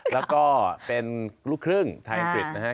แล้วก็เป็นลูกครึ่งไทยอังกฤษนะครับ